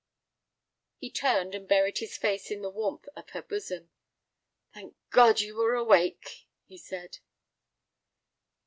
He turned and buried his face in the warmth of her bosom. "Thank God you were awake," he said.